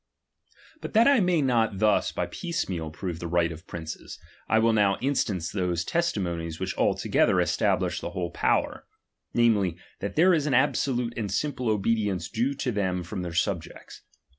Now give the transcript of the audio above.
But that I may not thus by piecemeal prove St the right of princes, I will now instance those ^.testimonies which altogether establish the whole ™ power ; namely, that there is an absolute and simple obedience due to them from their subjects.